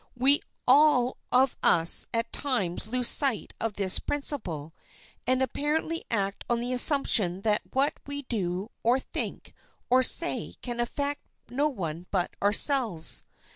We all of us at times lose sight of this principle, and apparently act on the assumption that what we do or think or say can affect no one but ourselves.